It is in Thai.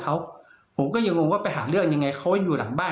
เขาผมก็ยังงงว่าไปหาเรื่องยังไงเขาอยู่หลังบ้าน